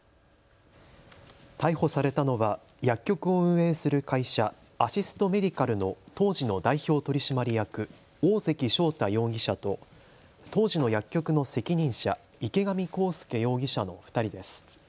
逮捕されたのは薬局を運営する会社、Ａｓｓｉｓｔ・Ｍｅｄｉｃａｌの当時の代表取締役、大関翔太容疑者と当時の薬局の責任者、池上康祐容疑者の２人です。